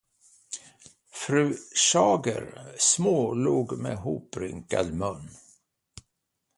Fru Schager smålog med hoprynkad mun.